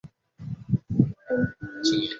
英国纵贯铁路是英国的一家铁路客运公司。